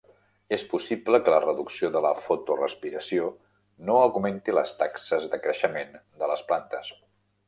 És possible que la reducció de la fotorespiració no augmenti les taxes de creixement de les plantes.